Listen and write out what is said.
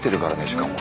しかも。